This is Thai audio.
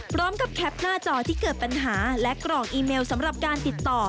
พร้อมกับแคปหน้าจอที่เกิดปัญหาและกรอกอีเมลสำหรับการติดต่อ